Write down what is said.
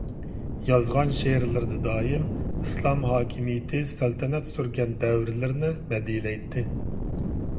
يازغان شېئىرلىرىدا دائىم ئىسلام ھاكىمىيىتى سەلتەنەت سۈرگەن دەۋرلىرىنى مەدھىيەلەيتتى.